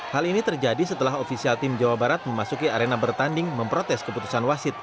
hal ini terjadi setelah ofisial tim jawa barat memasuki arena bertanding memprotes keputusan wasit